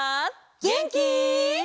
げんき？